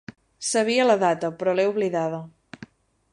Sabia la data, però l'he oblidada.